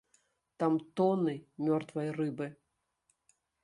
Там тоны мёртвай рыбы.